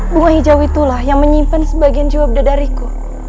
bunga hijau itulah yang menyimpan sebagian jiwa bidadariku